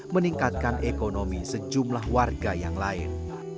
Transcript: meningkatkan ekonomi sejumlah warga yang lain